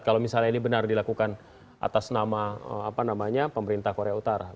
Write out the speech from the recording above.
kalau misalnya ini benar dilakukan atas nama pemerintah korea utara